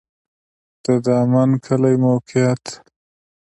د دامن کلی موقعیت